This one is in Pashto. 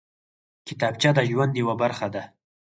کتابچه د ژوند یوه برخه ده